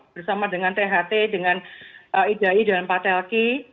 bersama dengan tht dengan idi dan patelki